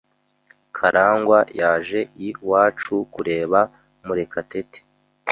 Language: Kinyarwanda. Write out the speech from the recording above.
Karangwa yaje I wacu kureba murekatete